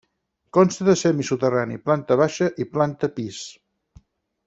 Consta de semisoterrani, planta baixa i planta pis.